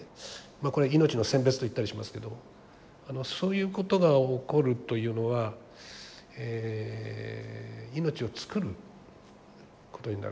これは命の選別と言ったりしますけどもそういうことが起こるというのは命を作ることになる。